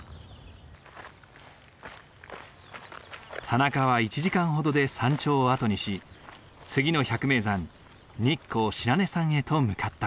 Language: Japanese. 田中は１時間ほどで山頂を後にし次の百名山日光白根山へと向かった。